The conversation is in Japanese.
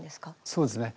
そうですね。